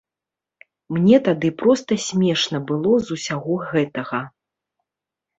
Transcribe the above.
Мне тады проста смешна было з усяго гэтага.